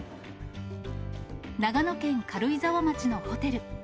長野県軽井沢町のホテル。